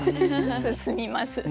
進みます。